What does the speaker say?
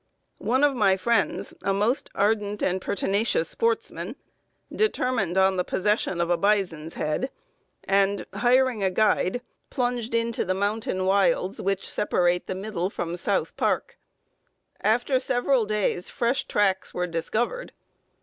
"One of my friends, a most ardent and pertinacious sportsman, determined on the possession of a bison's head, and, hiring a guide, plunged into the mountain wilds which separate the Middle from South Park. After several days fresh tracks were discovered.